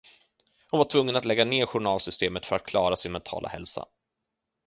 Hon var tvungen att lägga ner journalsystemet för att klara sin mentala hälsa